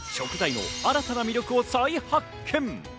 食材の新たな魅力を再発見。